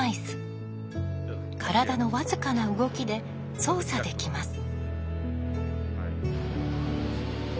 体の僅かな動きで操作できます。